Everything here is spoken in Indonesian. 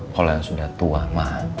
kalau yang sudah tua mah